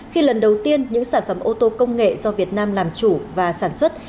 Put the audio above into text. khi lần đầu tiên những sản phẩm ô tô công nghệ do việt nam làm chủ và sản xuất